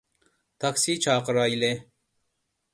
تاكسى چاقىرايلى.